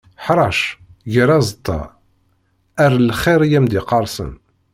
Ḥrec, ger aẓeṭṭa, err lxiḍ i am-d-iqqersen.